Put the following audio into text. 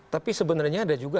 tapi sebenarnya ada juga